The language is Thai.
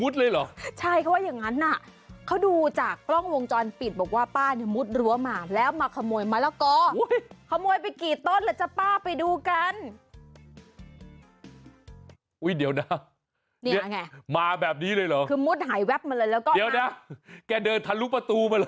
เดี๋ยวนะแกเดินทะลุประตูมาแหละ